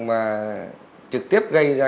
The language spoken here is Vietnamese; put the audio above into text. mà trực tiếp gây ra